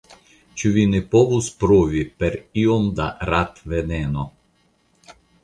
Ĉu vi ne povus provi per iom da ratveneno?